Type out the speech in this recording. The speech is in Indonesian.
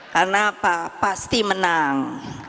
karena apa pasti menang